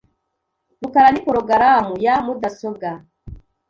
rukara ni porogaramu ya mudasobwa .